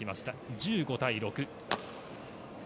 １５対６。